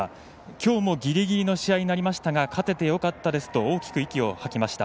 きょうもギリギリの試合になりましたが勝ててよかったですと大きく息を吐きました。